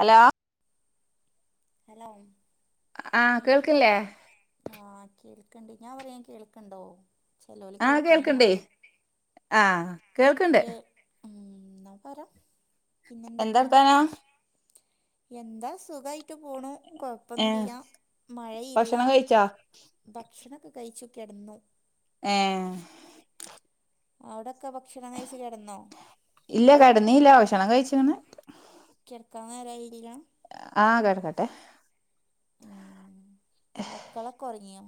Hello hello ആഹ കേൾക്കില്ലേ? ആഹ് കേൾക്ണ്ട് ഞാ പറിയ്ണെ കേൾക്ണ്ടോ? ആഹ് കേൾക്കണ്ടേ ആഹ് കേൾക്ക്ണ്ട് ഉം എന്നാ പറ പിന്നെ എന്താ എന്തൊക്കെയാ വർത്താനം എന്താ സുഖായിട്ട് പോണു ഏഹ് കൊഴപ്പൊന്നില്ല മഴയില്ല ഭക്ഷണം കഴിച്ചോ ഭക്ഷണക്ക കഴിച്ചു കിടന്നു ഏഹ് അവിടൊക്കെ ഭക്ഷണ കൈച്ചു കിടന്നോ ഇല്ല കട നീല ക്ഷണം കഴിച്ചിങ്ങെ കിടക്കാവൻന്നേരായിടല്ല ആഹ് കേടക്കട്ടെ മക്കളെ ക്കൊറങ്ങിയോ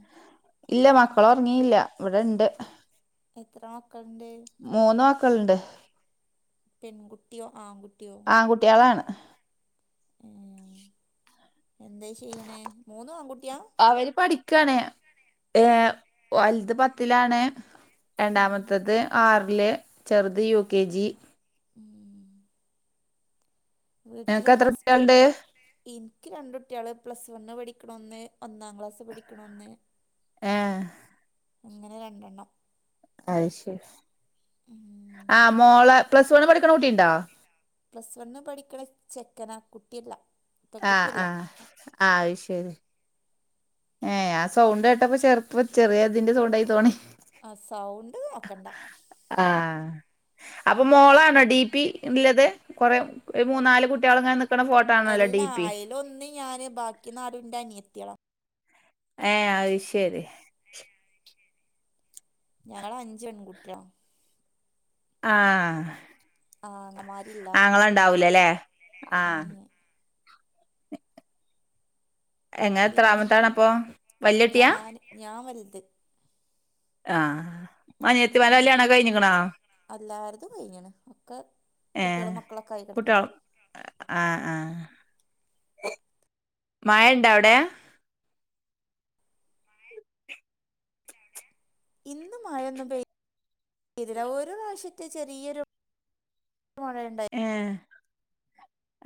ഇല്ല മക്കളോറങ്ങിയില്ല ഇവിടെണ്ട് എ എത്ര മക്കളുണ്ട് മൂന്നു ആക്കളുണ്ട് പെൺകുട്ടിയോ ആൺകുട്ടിയോ ആൺകുട്ട്യാളാണ് എന്താ ചെയ്യണേ മൂന്ന് ആൺകുട്ടിയാ അവര് പഠിക്കണേ ഏ വലുത് പത്തിലാണ് ഉം രണ്ടാമത്തത് ആറില് ചെറുത് യു കെ ജി ഉം നിനക്ക് വട്ടില് എത്ര അസ് കുട്ട്യാള്ണ്ട് ഇൻക്ക് രണ്ട്ട്ടിയെള് പ്ലസ് വണ് പഠിക്കണ ഒന്ന് ഒന്നാം ക്ലാസ് പഠിക്കണ ഒന്ന് ഏഹ് അങ്ങനെ രണ്ടെണ്ണം അയ്ശരി ഉം ആ മോളെ പ്ലസ് വണ് പഠിക്കണ കുട്ടിണ്ടോ പ്ലസ് വണ്ന് പഠിക്കണ ചെക്കനാ കുട്ടില്ല ആഹ് ആഹ് ആത് ശരി ഏ ഞാൻ സൗണ്ട് കേട്ടപ്പ ചെറുപ്പ ചെറിയതിന്റെ സൗണ്ട ആയി തോണി ആ സൗണ്ട് നോക്കണ്ട ആഹ് അപ്പൊ മോളാണോ ഡി പി ഉള്ളത് കുറെേ ഒരു മൂന്നാല് കുട്ടികള് അങ്ങനെ നക്കണ ഫോട്ടോ ആണല്ലോ ഡി എല്ലാ പി അയ്ല് ഒന്ന് ഞാന് ബാക്കി നാലുന്റെ അനിയത്തിയളാ ഏഹ് അയ്ശരി ഞങ്ങള അഞ്ച് പെൺകുട്ട്യാള ആഹ് ആങ്ങമാരില്ല ആങ്ങള ഉണ്ടാവൂലല്ലേ ആഹ് ഏഹ് എങ്ങനെ പിന്നെ എത്രാമത്താാണ് അപ്പോ വലിയട്ടിയാ ഞാൻ ഞാൻ വൽത് ആ മനേത്തിമാരെ കല്യാണോക്കെ കഴിഞ്ഞുക്കുണോ അല്ലാരുത്ും കഴിഞ്ണ് ഒക്കെ കുട്ടികളും ഏഹ് മക്കളൊക്കെ ആയി കിടന്ന് കുട്ടിയെൾ ആഹ് ആഹ് മഴണ്ട അവടെ ഇന്നുമഴന്നും പെയ്ത ഇതില രോ പ്രാഷ്യത്തെ ചെറിയൊരു ഉണ്ടായി ഏഹ്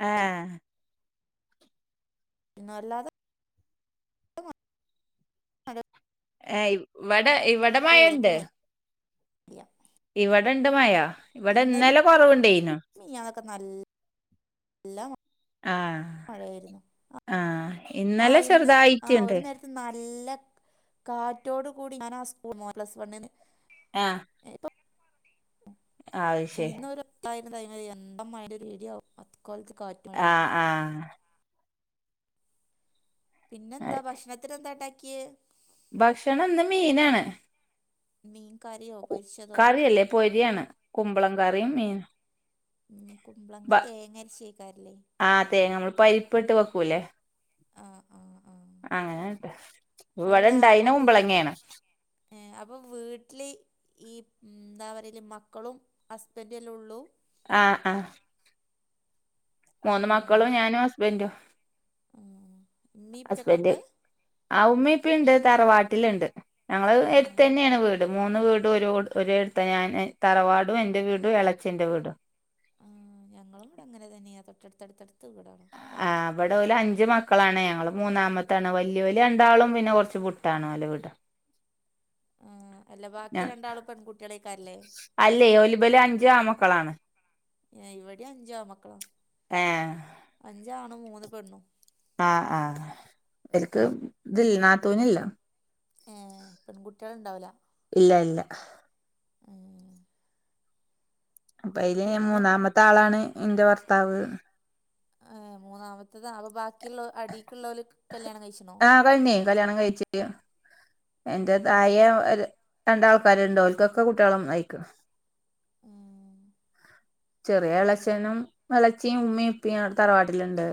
ഏഹ് പിന്ന അല്ലാതെ ഹലോ ഏയ്‌ ഇവിടെ ഇവിടെ ചെയ്തിട്ട ഇവിടെ ഇണ്ട് മയാ ഇവിടെ ഇന്നലെ കുറവുണ്ടായിന്ന് മിന്നാന്നോക്കെ നല്ല അല്ല ആഹ് മഴ വരുന്നു ആഹ് ഇന്നലെ ആ ചെറുതായിറ്റ്ണ്ട് ഒരു നേരത്ത് നല്ല കാറ്റോട് കൂടി ഞനാ ആ സ്പൂൺ പ്ലസ് വണ്ണിന് എ ആഹ് ഇപ്പൊ അത് ശരി ഇന്നൊരു [unintelligible] എന്താ മയൻ്റെ രു ഇ ട്യ അക്കോൽത്തെ കാ ആഹ് ആഹ് പിന്നെന്താ അത് ഭക്ഷണത്തിന് എന്താ ണ്ടാക്യേ ഭക്ഷണം ന്ന് മീനാണ് മീ കരയ കു കറിയല്ലേ പൊര്യാണ് കുമ്പളം കറിം മീൻ ഉം, കുമ്പളങ്ങ ബ തേങ്ങ അരച്ചേക്കാറില്ലേ ആതേ മ്മൾ പരിപ്പിട്ട് വെക്കൂലേ ആഹ് ആഹ് ആഹ് അങ്ങനെട്ട ഇവടെണ്ടായ്ന കുമ്പളങ്ങേണ് ഏ അപ്പൊ വീട്ട്ല് ഈ ന്താ പറ്യലെ മക്കളും ഹസ്ബൻ്റെ ല്ലേള്ളൂ ആഹ് ആഹ് മൂന്ന് ഏഹ് മക്കളും ഞാനും ഹസ്ബൻ്റും ആഹ്. ഉമ്മീം ഉപ്പയൊക്കെ ഹസ്ബന്റ് ഇപ്പൊ ആഹ് ഉമ്മിം ഇപ്പീണ്ട് തറവാട്ടില്ണ്ട് ഞങ്ങള് ഏഹ് എട്ത്തന്നെണ് വീട് മൂന്ന് വീടു ഒരോട് ഒരേട്ത്ത ഞാന് തറവാടുഎന്റെ വീടു ഇളേച്ചന്റെ വീടു ആഹ് ഞങ്ങളവ്ടെ അങ്ങന തെന്നെയാ തൊട്ടട്ത്തട്ത്തട്ത്ത് വീടാണ് ആഹ് ഇബടെ ഓല് അഞ്ച് മക്കളാണ് ഞങ്ങള് മൂന്നാമത്താണ് വല്യേല് രണ്ടാളും പിന്നെ കൊർച്ച് വ്ട്ടാണ് ഓലെ വീട് ആഹ് അല്ല ബാക്കി രണ്ടാളും പെൺകുട്യേളയ്ക്കാര്ല്ലേ അല്ലേയ് ഓല് ഇബലഞ്ച് ആമക്കളാണ് ഏഹ് ഇവിടിം അഞ്ചു ആമക്കള ഏഹ് അഞ്ചാണും മൂന്ന് പെണ്ണും ആഹ് ആഹ് ഇബൽക്ക് തില്ല നാത്തൂനില്ല ഏഹ് പെൺകുട്യേള്ണ്ടാവൂല ഇല്ല ഇല്ല ഏഹ് പ്പഅയ്ല് പിന്നെ മൂന്നാമത്താളാണ് ഇന്റെ ഭർത്താവ് ഏഹ് മൂന്നാമത്തതാ അപ്പൊ ബാക്കിള്ളോ അടീക്ക്ള്ളോല് ക് കല്യാണം കഴിച്ച്ണോ പ്പ ന്നൈ കല്യാണം കഴിച്ചില്യ എന്റെ ഏഹ് തായെ ഒര രണ്ടാൾക്കാര്ണ്ട് ഓൽക്കൊക്കെ കുട്യേളും അയ്‌ക്ക്ണ് ആഹ് ചെറിയ എളേച്ചനും എളേച്ചിയും മ്മിം പ്പിംഅവ്ടെ തറവാട്ടില്ണ്ട്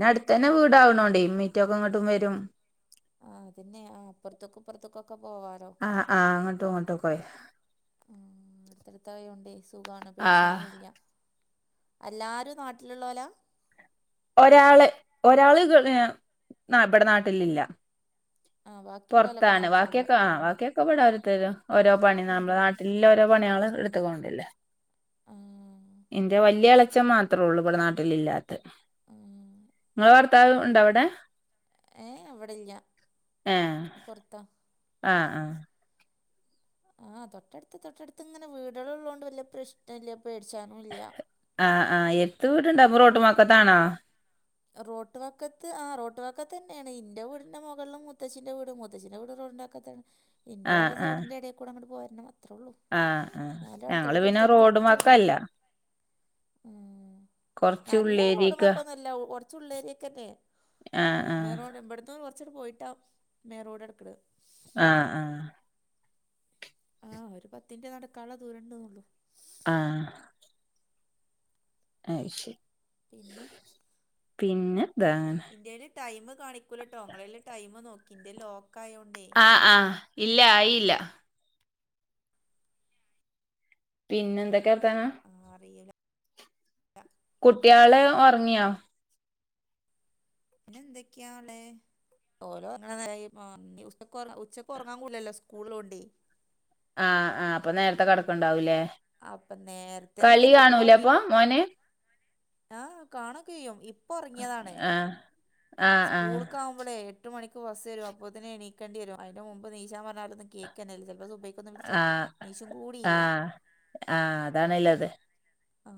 ന്നട്ത്തന്നെ ഉം വീടാവ്ണോണ്ടേ മ്മിറ്റൊക്കൊങ്ങട്ടും വരും ആഹ് അതന്നെ ആ അപ്പൊർത്ത്ക്കും പ്പർത്ത്ക്കൊക്കെ പോവാലോ ആഹ് ആഹ് അങ്ങട്ടും ഇങ്ങട്ടൊക്കൊയ് അട്ത്തട്ത്തായോണ്ടേ സുഖാണ് പേടി ആഹ് ഷാനുല്യ അല്ലാരും നാട്ടില്ള്ളോലാ ഒരാള് ഒരാള്ഗ് ഏഹ് നാ ഇബടെ നാട്ടിലില്ല ആ ബാക്കിയുള്ളോലൊക്കെ പൊർത്താണ് നാട്ടിലുള്ള വാക്കിയൊക്കെ ആ ആഹ് വാക്കിയൊ ഇപ്പവടെഓരോര്ത്തരു ഓരോ പണി ആ നമ്മ്ളെ നാട്ടിൽല്ല ഓരോ പണ്യേള് ഇട് ത്ഗോണ്ടില്ലേ ആ ഇന്റെ വല്യ എളേച്ചം മാത്രള്ളൂ ഇപടെ നാട്ടില് ഇല്ലാത്തഅ് ആഹ് ഇങ്ങളെ ഭർത്താവ് ഉണ്ടോ വ്ടെ ഏഹ് ഇവിടല്യ ഏഹ് പൊർത്താ ആഹ് ആഹ് ആഹ് തൊട്ടട്ത്ത് തൊട്ടട്ത്ത് ങ്ങനെ വീടേള് ള്ളോണ്ട് വല്യ പ്രശ്നല്യ പേട്ച്ചാനുല്യ ആഹ് ആഹ് എര്ത്ത് വീട്ണ്ടോ പ്പം റോട്ടുംവക്കത്താണോ റോട്ട് വക്കത്ത് ആ റോട്ട് വക്ക തന്നെയാണ് ഇന്റെ വീടിൻന്റെ മുകളില് മുത്തച്ഛിന്റെ വീട് മുത്തച്ഛിന്റെ വീട് റോഡിന്റെ വക്കത്ത് ഇന്റെ ആഹ് ഓലെ ആഹ് സൈഡിന്റെ എടൽ കൂടെ അങ്ങട് പോരണം അത്രേ ഉള്ളൂ ആഹ് ആഹ് എന്നാലും ഞങ്ങള് പിന്നെ റോഡും അടുത്തടുത്തടുത്തടുത്തടുത്ത് വിടാം വക്കല്ല ഉം കൊറച്ച് നല്ല റോഡും ഉള്ളേരിക്ക വക്കൊന്നല്ല കൊർ കൊറച്ചുള്ളേരിയൊക്കെ തന്നെയെ ആഹ് ആഹ് മെയിൻറോഡ ഇബടുന്ന് കൊറച്ചണ് പോയിട്ടാ മെയിൻ റോഡ് കെടക്ക്ണെ ആഹ് ആഹ് ആഹ് ഒരു പത്ത് മിനുട്ട് നടക്കാള്ള ദൂരണ്ട്ന്നൊള്ളു ആഹ് അയ് ശരി പിന്നെ പിന്നെന്താങ്ങെ ടൈമ് കാണിക്കൂലട്ടൊ ഇങ്ങളേൽ ടൈമ് നോക്കി ന്റെ ലോക്ക് ക്കായോണ്ടേ ആഹ് ആഹ് ഇല്ല ആയില്ല പിന്നെ എന്തൊക്കെ വർത്താനം ആഹ് അറിയില്ല കുട്ട്യാള് ഒറങ്ങിയോ പിന്നെ എന്തൊക്കെയാണ് [unintelligible] സ്കൂൾ ഉള്ള കൊണ്ടേ. ആഹ് ആഹ് അപ്പൊ നേരത്തെ കിടക്കുണ്ടാവൂല്ലേ? അപ്പൊ നേരത്തന്ന ഒന്നല്ല ഇപ്പ ഒറങ്ങീട്ടു മോന് ആഹ് കാണു ഒക്കെ ചെയ്യും ഇപ്പൊ ഒറങ്ങിയതാണ് ആഹ് ആഹ് ആഹ് സ്കൂൾക്ക ള എട്ട് മണിക്ക് ബസ് വരും അപ്പോത്തിനും നീക്കണ്ടി വരും അതിന്റെ മുമ്പ് നീച പറഞ്ഞാലൊന്നും കേൾക്കന്നെ ഇല്ല ചിലപ്പോ സു ആഹ് ആഹ് ആഹ് അതാ നല്ലത് ആ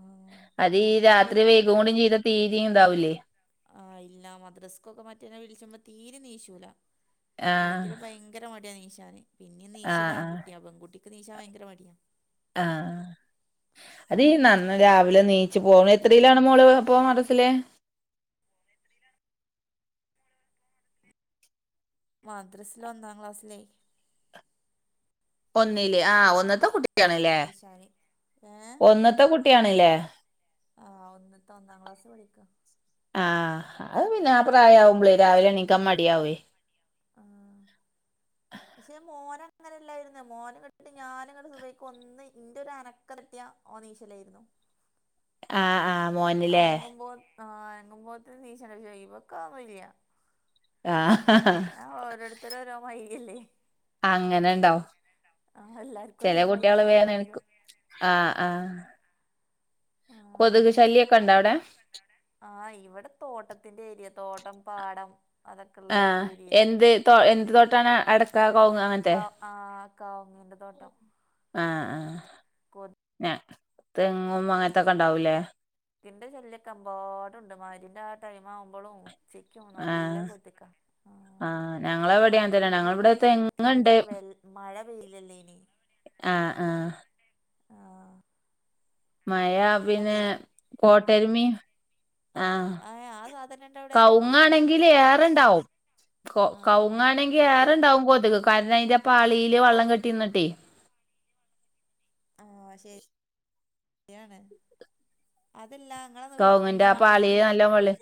അത് ഈ അപ്പം രാത്രി പിന്നെ വൈകും കൂടെ ചെയ്ത തീരെ ഇതാവൂല്ലേ? ആഹ് ഇല്ല മദ്രസ്കൊക്കെ മറ്റേന്നെ വിളിചുമ്പോ തീരെ നീച്ചൂല ആഹ് അല്ലെങ്കിലും ഭയങ്കര മടിയാ നി ച്ചാന് പിന്നെ നീചലൂ ആഹ് ആഹ് ആൺകുട്ടിയാ പെൺകുട്ടിക്ക് നീചാൻ ഭയങ്കര മടിയാ ആഹ് അത് നന്ന രാവിലെ നീ ച്ചി പോണ നി- എത്രയിലാണ് മോള് അപ്പൊ മദ്രസ്സില്? മദ്രസില് ഒന്നാം ക്ലാസ്സില്. ഒന്നില് ആഹ് ഒന്ന്ത്തെ കുട്ടിയാ ണ്ല്ലേ നിശാന് ഏഹ് ഒന്ന്ത്തെ കുട്ടിയാണ്ല്ലേ? ആഹ് ഒന്ന്ത്തെ ഒന്നാം ക്ലാസ് പഠിക്കാ ആഹ് അത് പിന്നെ ആ പ്രായമാവുമ്പളേ രാവിലെ എണിക്കാ മടിയാവേ ആഹ് പക്ഷെ മോന് അങ്ങനെല്ലായിരുന്നു മോന് ഞാന് ഇങ്ങട് സുബ്ഹിക്ക് ഒന്ന് ഇന്റെ ഒരു അന ക്കം കിട്ടിയാ ഓൻ നീച്ചലായിരുന്നു ആഹ് ആഹ് മോൻ അനങ്ങുമ്പോ ആഹ് അനങ്ങുമ്പോ ത്തിന്നീച്ചലെയ്യും ഇവക്ക അ വയ്യ ആഹ് പിന്നെ ഓരോരുത്തരും ഓരോ മാതിരി അല്ലേ? അങ്ങനെ ഉണ്ടാവും ആഹ് എല്ലാർക്കും ചെല ഒരേ മാതിരി കുട്ടികള് ഒന്നും ആയിക്കോളണല്ലോ വേന്നീക്കും ആഹ് ആഹ് കൊതുക് ആഹ് ശല്യ ഒക്കെ ഉണ്ടോ അവിടെ? ആഹ് ഇവിടെ തോട്ടത്തിന്റെ ഏരിയ തോട്ടം പാടം അതൊക്കെള്ള ആഹ് ഒരു ഏരിയ എന്ത് തോ എന്ത് തോട്ടാണ് അടക്ക കവുങ്ങ് അങ്ങനത്തെ ക ആഹ് കവുങ്ങിൻ്റെ തോട്ടം ആഹ് ആഹ് കോ തെങ്ങും അങ്ങനത്തൊക്കെ ഉണ്ടാവൂല്ലേ? ന്റെ ശല്യ ഒക്കെ അമ്പാടുണ്ട് മഗരിബിന്റെ ആ ടൈം ആവുമ്പോളും ഉച്ചക്കും നല്ല ആഹ് കൊതുകാണ് ആഹ് ഞങ്ങളെ ഇവിടെ അങ്ങനെ തന്നെയാണ് ഞങ്ങളെ ഇവിടെ ഇനി തെങ്ങുണ്ട് തീരെയും വെൽ മഴ പെയ്യില്ലല്ലേ ഇനി ആഹ് ആഹ്. ആഹ്. മഴ പിന്നെ കോട്ടരുമി ആഹ് അയ ആദ് കവുങ്ങ് ആണെങ്കിൽ ഏറെണ്ടാവും ആ കവുങ്ങ് ആണെ ഏറണ്ടാവും കൊതുക് കാരണം അതിന്റെ പാളിയില് വള്ളം കെട്ടി നിന്നിട്ടേ. ആഹ് ശരിയാണ്. അതല്ല നിങ്ങളെ വീട്ട് കവുങ്ങിന്റെ നാ ആ ന് പാളിയില് നല്ലോം വെള്ളം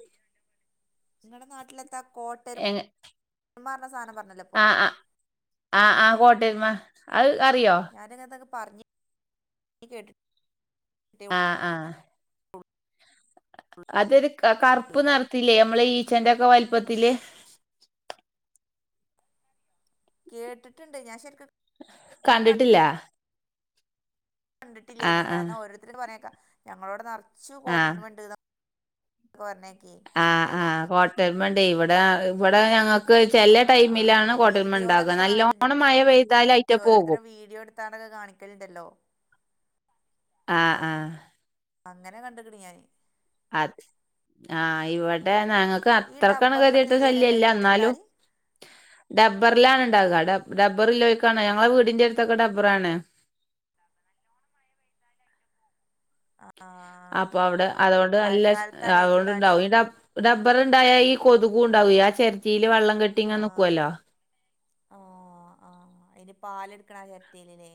നിങ്ങളടെ നാട്ടിലെന്താ കോട്ടരുമി എങ്ങ എന്ന് പറഞ്ഞ സാധനം പറഞ്ഞല്ലോ ഇപ്പൊ? ആഹ് ആഹ് ആഹ് ആഹ് കൊട്ടരുമ അത് അറിയോ? ഞാനങ്ങന്തൊക്കെ പറഞ്ഞ് കേട്ടി ആഹ് ആഹ്. ഉള്ളൂ അതൊരു കറുപ്പ് നിറത്തില്ലേ നമ്മള് ഈച്ചന്റെ ഒക്കെ വലിപ്പത്തില് കേട്ടിട്ടുണ്ട് ഞാൻ ശരിക്കു കണ്ടിട്ടില്ല. കണ്ടിട്ടില്ലേ ഇനെ ആഹ് ആഹ് കാരണം ഓരോരുത്തരുടെ പറയണക്കാം ഞങ്ങളവിടെ നിറച്ച് ആഹ് കൊട്ടരുമ ഉണ്ട് കൊറഞ്ഞേക്കി ആഹ് ആഹ് കോട്ടരുമണ്ടേ ഇവടെ ഇവടെ ഞങ്ങ ക്ക് ആ ചെല ആ ആ ടൈമിലാണ് കോട്ടരുമ ഇണ്ടാക വീഡിയോയിലൊക്കെ കാണലുണ്ട് നല്ലോണം മഴ പെയ്താലയ്റ്റ പോകും തണ്ക കാണിക്കലുണ്ടല്ലോ ആഹ് ആഹ് അങ്ങനെ കണ്ട്ക്കണ് ഞാന് അത ആഹ് ഇവിടെ ഞങ്ങക്ക് ഈ അത്രക്കണ് ഡബ്ബർ തോട്ട ഗതികെട്ട ശല്യം ഏരിയയിലല്ലേ ഇല്ല ന്നാലും കൂടുതലുണ്ടാല് ഡബ്ബറിലാണ് ഇണ്ടാക ഡബ്ബറിലോർക്കാണ് ഞങ്ങളെ വീടിന്റെടുത്തൊക്കെഡബ്ബറാണ് ആഹ് അപ്പൊ അവിടെ അതോണ്ട് നല്ല സ് ആയിട്ടുണ്ടാല് അതോണ്ടുണ്ടാവും ഇയിൻ്റെ അ ഡബ്ബറുണ്ടായ ഈ കൊതുകുണ്ടാവേ ആ ചെരട്ടില് വെള്ളം കെട്ട ആഹ് ആ ആഹ് അയിൻ്റെ പാല് ഇടുക്കണ ചെരട്ടേല് ല്ലേ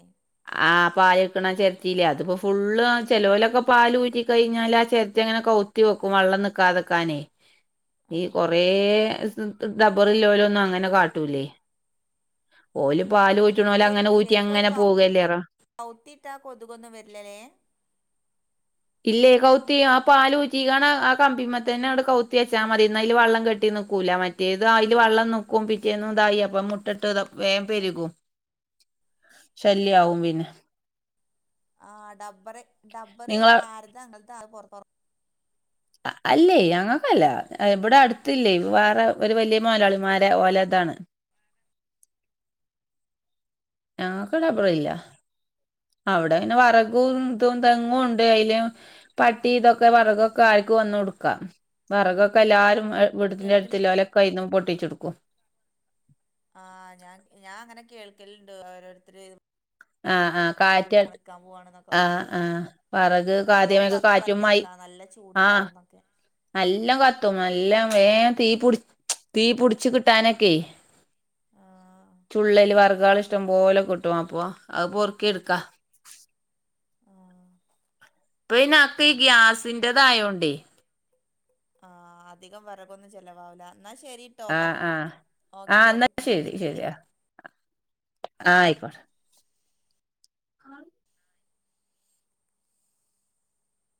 ആ പാലടക്കണ ചെരട്ടീല്ലേ അതിപ്പോ ഫുള്ള് ചെലോലൊക്കെ പാല് ഊറ്റി കഴിഞ്ഞാല് ആ ചെരട്ടങ്ങനെ കവു വുത്തി വെക്കും വെള്ളം നിക്കാതെക്കാനേ ആ ഈ ആ കൊറേ സ് ഡബറില്ലോരൊന്നും അങ്ങനെ കാട്ടൂല്ലേ ഓല് ആ പാല് ഊറ്റണോല് ശരിക്കും അങ്ങനെ ഊറ്റി ശരിക്കും അങ്ങനെ അത് പോകല്ലേറ കൗത്തിട്ടാ കൊതുകൊന്നും വരില്ലല്ലേ ഇല്ലേ കൗത്തി ആ പാല് ഊറ്റികണ ആ കമ്പിമ്മേ തന്നെ അങ്ങട് കൗത്തി വെച്ചാ മതി ന്നാ അയില് വെള്ളം കെട്ടി നിക്കൂല മ ഇത് അയില് വെള്ളം നിക്കും പിറ്റേന്നും ഇതായി അപ്പ മുട്ടട്ട് ത വേഗം പെരുകും ശല്യാവും പിന്നെ ആ ഡബറ് ഡബറ് നിങ്ങള ആര്താ ഇങ്ങൽത്ത് ആകെ പൊറത്തോ അല്ലേ അങ്ങൾക്കല്ല ഇബടെ അടുത്തില്ലേ വേറെ ഒരു വല്ല്യ മൊയ്ലാളിമാര ഓലെതാണ് ഞങ്ങക്ക് ഡബറില്ല അവിടെ അയിന് വറകും ഇതും തെങ്ങും ഇണ്ട് അയില് പട്ടി ഇതൊക്കെ ആ വെറകൊക്കെ ആർക്കും വന്നു ഇടുക്കാം വെറകൊക്കെ പിന്നെന്തൊക്കെയാ എല്ലാരും വീടിന്റെ കേൾക്കണി അടുത്തുലൊലൊ കൈയിന്നും പൊട്ടിച്ചിടുക്കും ആഹ് ഞാൻ ഞാൻ അങ്ങനെ കേൾക്കലുണ്ട് ഓരോരുത്തര് ആഹ് ആഹ് വേറിട്ട കാറ്റട് വിളിക്കാൻ പോവാണെന്നൊക്കെ ആഹ് പറഞ്ഞാണ്ട് ആഹ് വെറക് കാദ്യമെക്കെ കാറ്റുമയ് ചൂടുണ്ടാവുന്ന നല്ലോം കത്തും നല്ലോം വേം തീപുടി തീപുടിച്ച് കിട്ടാനൊക്കെ ആ ചുള്ളല് വെറകള് ഇഷ്ടം പോലെ കിട്ടും അപ്പൊ അത് പൊറുക്കിടുക്കാ ആഹ് പ്പൊ ഇയ്നാത്ത് ഈ ഗ്യാസിൻ്റെതായോണ്ടേ ആ അധികം വെറകൊന്നും ചെലവാവില്ല ഇന്നാ ശരി ആഹ് ആഹ് ആഹ് എന്നാ ശരി പിന്നെ ശരിയാ വിളിക്കാം ആ ആയിക്കോട്ടെ